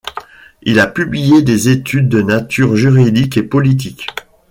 Il a publié des études de natures juridique et politique.